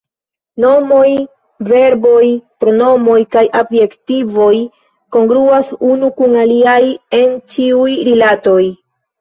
Nomoj, verboj, pronomoj kaj adjektivoj kongruas unu kun aliaj en ĉiuj rilatoj.